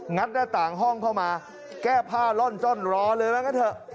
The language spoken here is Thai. ัดหน้าต่างห้องเข้ามาแก้ผ้าล่อนจ้อนรอเลยว่างั้นเถอะ